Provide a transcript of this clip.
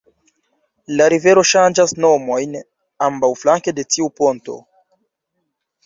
La rivero ŝanĝas nomojn ambaŭflanke de tiu ponto.